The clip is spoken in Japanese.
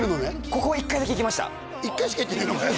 ここは１回だけ行きました１回しか行ってねえのかよ